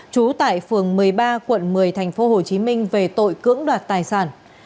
trú tại phường một mươi ba quận một mươi tp hcm về tội cưỡng đoạt tài sản